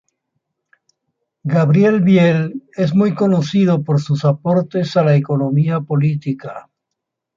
Gabriel Biel es muy conocido por sus aportes a la economía política.